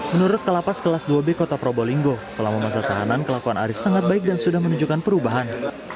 menurut kelapas kelas dua b kota probolinggo selama masa tahanan kelakuan arief sangat baik dan sudah menunjukkan perubahan